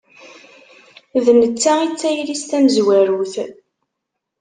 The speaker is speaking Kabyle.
D netta i d tayri-s tamezwarut.